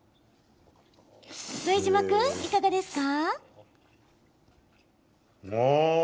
副島君、いかがですか？